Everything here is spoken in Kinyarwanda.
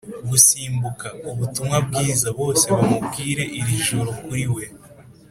gusimbuka! ubutumwa bwiza! bose bamubwire, iri joro, kuri we